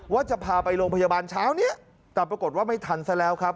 ว่าจะพาไปโรงพยาบาลเช้านี้แต่ปรากฏว่าไม่ทันซะแล้วครับ